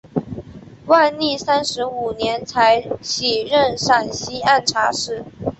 万历三十五年才起任陕西按察使。